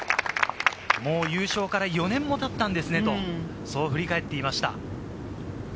優勝から４年も経ったんですねと振り返っていました。